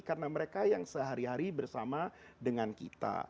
karena mereka yang sehari hari bersama dengan kita